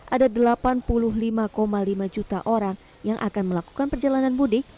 ada delapan puluh lima lima juta orang yang akan melakukan perjalanan mudik